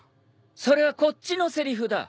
それはこっちのせりふだ。